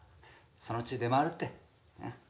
そのうち出回るって。